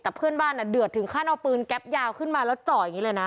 แต่เพื่อนบ้านเดือดถึงขั้นเอาปืนแก๊ปยาวขึ้นมาแล้วจ่ออย่างนี้เลยนะ